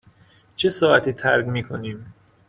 چه ساعتی ترک می کنیم؟